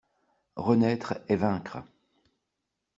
Renaître et vaincre